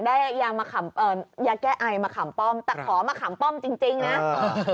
เอาไหมอยากได้ยาแก้ไอมาขำป้อมแต่ขอมาขำป้อมจริงนะเออ